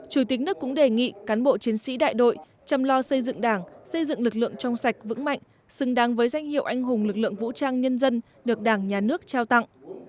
chủ tịch nước cũng đề nghị cán bộ chiến sĩ đại đội chăm lo xây dựng đảng xây dựng lực lượng trong sạch vững mạnh xứng đáng với danh hiệu anh hùng lực lượng vũ trang nhân dân được đảng nhà nước trao tặng